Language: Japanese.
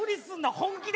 本気で。